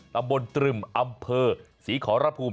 ตำบลตรึมอำเภอศรีขอรภูมิ